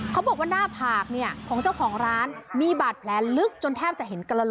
เขาบอกว่าหน้าผากเนี่ยของเจ้าของร้านมีบาดแผลลึกจนแทบจะเห็นกระโหล